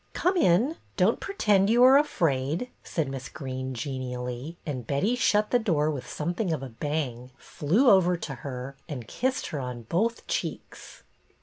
" Come in ! Don't pretend you are afraid," said Miss Greene, genially; and Betty shut the door with something of a bang, flew over to her and kissed her on both cheeks.